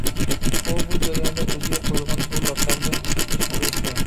ئۇ بۇ جەرياندا ئۆزىگە قويۇلغان بۇ لەقەمدىن قۇتۇلۇشنى ئويلىدى.